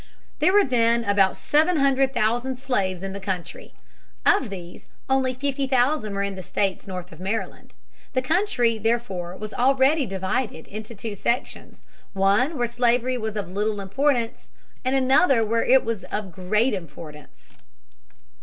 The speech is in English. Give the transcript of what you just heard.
There were then about seven hundred thousand slaves in the country. Of these only fifty thousand were in the states north of Maryland. The country, therefore, was already divided into two sections: one where slavery was of little importance, and another where it was of great importance.